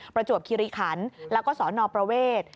ประจวบคิริขันแล้วก็สนประเวท